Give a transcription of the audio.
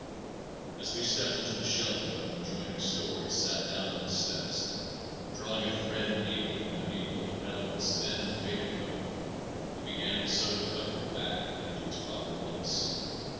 As we stepped into the shelter of an adjoining store he sat down on the steps and drawing a threaded needle from beneath the lapel of his thin and faded coat, he began to sew the cover back into its proper place.